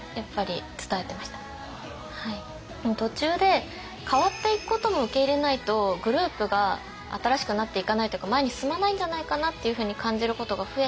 でも途中で変わっていくことも受け入れないとグループが新しくなっていかないというか前に進まないんじゃないかなっていうふうに感じることが増えて。